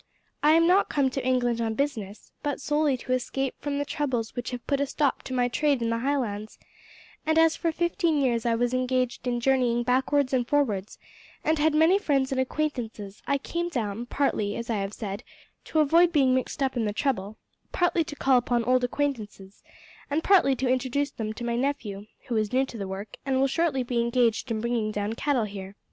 I am not come to England on business, but solely to escape from the troubles which have put a stop to my trade in the Highlands, and as for fifteen years I was engaged in journeying backwards and forwards, and had many friends and acquaintances, I came down partly, as I have said, to avoid being mixed up in the trouble, partly to call upon old acquaintances, and partly to introduce to them my nephew, who is new to the work, and will shortly be engaged in bringing down cattle here.